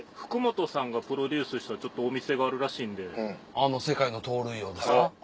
あの世界の盗塁王ですか？